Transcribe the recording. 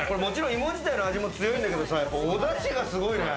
芋自体の味も強いんだけどおダシがすごいね！